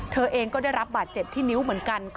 เธอเองก็ได้รับบาดเจ็บที่นิ้วเหมือนกัน